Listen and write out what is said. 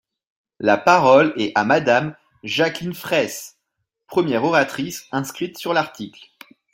La parole est à Madame Jacqueline Fraysse, première oratrice inscrite sur l’article.